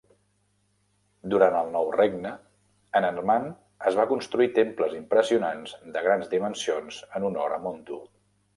Durant el Nou Regne, en Armant es van construir temples impressionants de grans dimensions en honor a Montu.